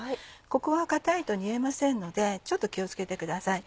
ここが硬いと煮えませんのでちょっと気を付けてください。